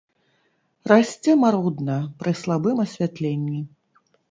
Расце марудна, пры слабым асвятленні.